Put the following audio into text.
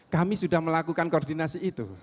kami sudah melakukan koordinasi itu